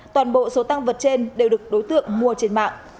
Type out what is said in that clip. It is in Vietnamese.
toàn bộ số tăng vật trên đều được đối tượng mua trên mạng